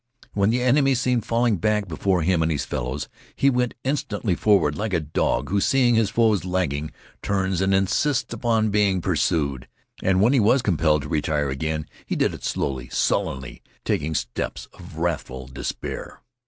When the enemy seemed falling back before him and his fellows, he went instantly forward, like a dog who, seeing his foes lagging, turns and insists upon being pursued. And when he was compelled to retire again, he did it slowly, sullenly, taking steps of wrathful despair.